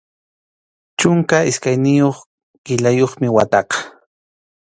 Chunka iskayniyuq killayuqmi wataqa.